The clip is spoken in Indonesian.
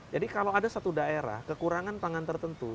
jadi kalau ada satu daerah kekurangan pangan tertentu